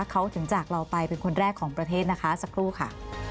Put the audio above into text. เขาถึงจากเราไปเป็นคนแรกของประเทศนะคะสักครู่ค่ะ